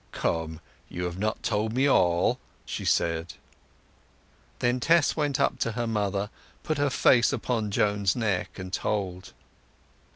"Come, you have not told me all," she said. Then Tess went up to her mother, put her face upon Joan's neck, and told.